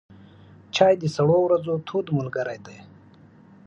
چای د سړو ورځو تود ملګری دی.